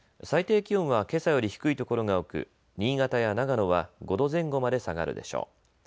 最低気温はけさより低いところが多く、新潟や長野は５度前後まで下がるでしょう。